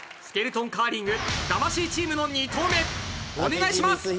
スケルトンカーリング魂チームの２投目お願いします。